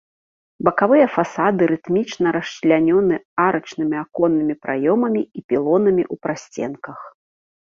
Бакавыя фасады рытмічна расчлянёны арачнымі аконнымі праёмамі і пілонамі ў прасценках.